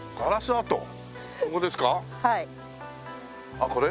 あっこれ？